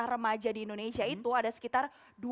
remaja di indonesia itu ada sekitar